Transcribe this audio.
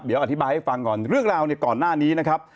เดี๋ยวอธิบายให้ฟังก่อนเรื่องราวเนี่ยก่อนหน้านี้นะครับ